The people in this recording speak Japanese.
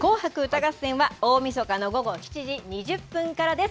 第７３回ＮＨＫ紅白歌合戦は、大みそかの午後７時２０分からです。